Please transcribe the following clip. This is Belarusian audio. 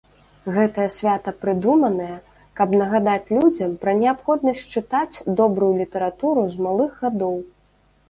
Гэтае свята прыдуманае, каб нагадаць людзям пра неабходнасць чытаць добрую літаратуру з малых гадоў.